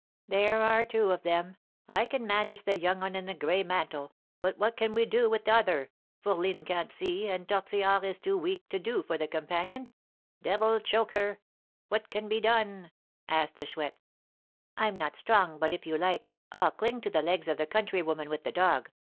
"There are two of 'em. I can manage the young 'un in the gray mantle, but what can we do with t'other? Fourline can't see, and Tortillard is too weak to do for the companion devil choke her! What can be done?" asked the Chouette. "I'm not strong, but, if you like, I'll cling to the legs of the country woman with the dog.